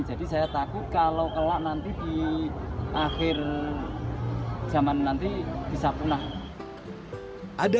ada sebuah kebun yang berbeda dengan kebun yang dikembangkan